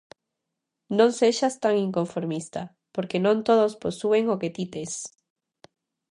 Non sexas tan inconformista porque non todos posúen o que ti tes.